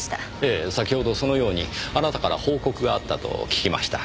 ええ先ほどそのようにあなたから報告があったと聞きました。